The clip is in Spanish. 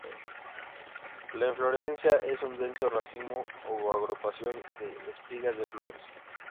La inflorescencia es un denso racimo o agrupación de espigas de flores.